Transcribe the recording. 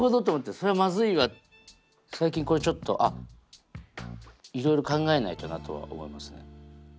そりゃまずいわ最近これちょっとあっいろいろ考えないとなとは思いますね。